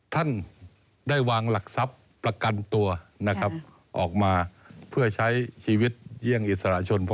ท่านได้วางหลักทรัพย์ประกันตัวนะครับออกมาเพื่อใช้ชีวิตเยี่ยงอิสระชนพอ